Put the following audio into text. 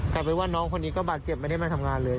กลายเป็นว่าน้องคนนี้ก็บาดเจ็บไม่ได้มาทำงานเลย